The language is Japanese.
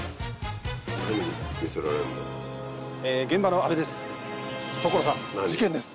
現場の阿部です。